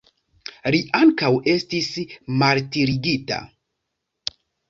Li ankaŭ estis martirigita.